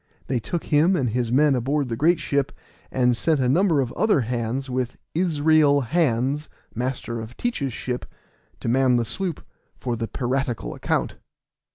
They took him and his men aboard the great ship, and sent a number of other hands with Israel Hands, master of Teach's ship, to man the sloop for the piratical account.